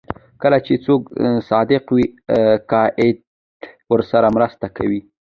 کله چې څوک صادق وي کائنات ورسره مرسته کوي.